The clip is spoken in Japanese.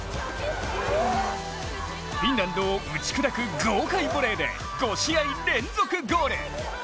フィンランドを打ち砕く豪快ボレーで５試合連続ゴール。